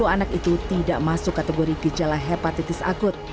sepuluh anak itu tidak masuk kategori gejala hepatitis akut